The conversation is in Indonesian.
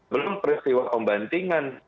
belum peristiwa pembantingan